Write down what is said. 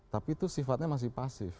tapi itu sifatnya masih pasif